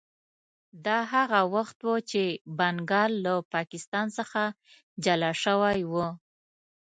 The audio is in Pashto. دا هغه وخت و چې بنګال له پاکستان څخه جلا شوی و.